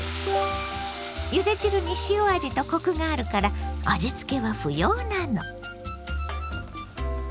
ゆで汁に塩味とコクがあるから味つけは不要なの。